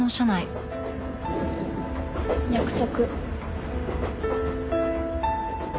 約束。